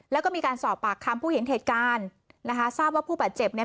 แล้วก็มีการสอบปากคำผู้เห็นเหตุการณ์นะคะทราบว่าผู้บาดเจ็บเนี่ย